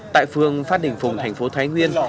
tại phương phát đình phùng tp thái nguyên